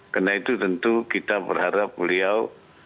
karena itu tentu kita berharap beliau